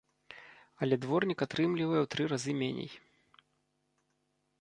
Але дворнік атрымлівае ў тры разы меней.